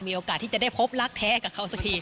มีโอกาสที่จะได้พบรักแท้กับเขาสักที